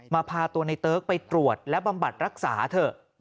พาตัวในเติ๊กไปตรวจและบำบัดรักษาเถอะ